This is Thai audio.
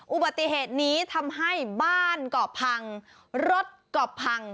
อุบัติเหตุนี้ทำให้บ้านกล่อบพังรถกล่อบพัง